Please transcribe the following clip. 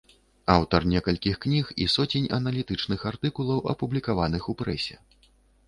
Аўтар некалькіх кніг і соцень аналітычных артыкулаў, апублікаваных у прэсе.